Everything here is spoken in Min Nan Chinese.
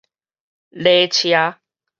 禮車